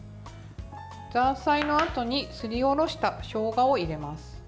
ザーサイのあとにすりおろしたしょうがを入れます。